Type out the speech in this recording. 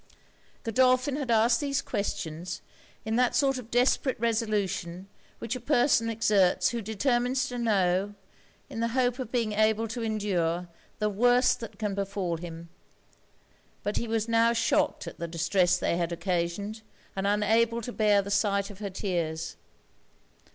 Godolphin had asked these questions, in that sort of desperate resolution which a person exerts who determines to know, in the hope of being able to endure, the worst that can befal him. But he was now shocked at the distress they had occasioned, and unable to bear the sight of her tears.